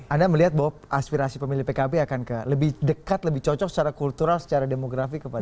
anda melihat bahwa aspirasi pemilih pkb akan lebih dekat lebih cocok secara kultural secara demografi kepada